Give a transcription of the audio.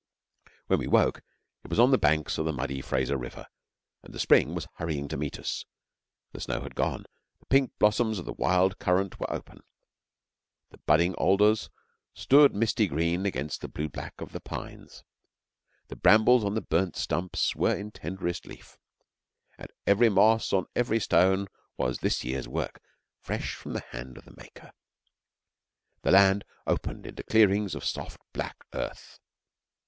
When we woke it was on the banks of the muddy Fraser River and the spring was hurrying to meet us. The snow had gone; the pink blossoms of the wild currant were open, the budding alders stood misty green against the blue black of the pines, the brambles on the burnt stumps were in tenderest leaf, and every moss on every stone was this year's work, fresh from the hand of the Maker. The land opened into clearings of soft black earth.